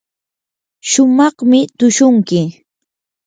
shumaqmi tushunki.